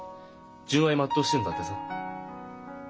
純愛全うしてんだってさ。